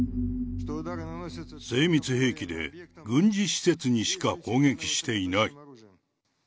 精密兵器で軍事施設にしか攻撃していない。